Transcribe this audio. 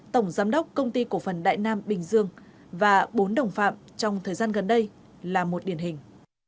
tổng giám đốc công ty cổ phần đại nam bình dương và bốn đồng phạm trong thời gian gần đây là một điển hình